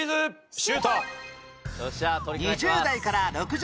シュート！